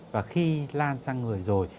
và khi lan sang người rồi